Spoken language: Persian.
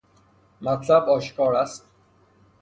مطلب اشکاراست